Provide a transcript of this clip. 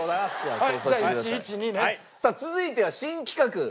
さあ続いては新企画。